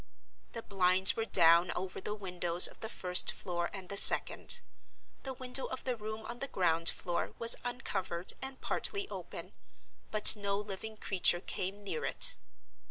The blinds were down over the windows of the first floor and the second. The window of the room on the ground floor was uncovered and partly open, but no living creature came near it.